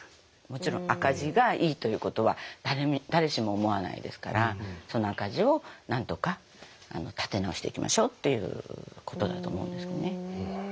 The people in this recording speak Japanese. もちろん赤字がいいということは誰しも思わないですからその赤字をなんとか立て直していきましょうっていうことだと思うんですよね。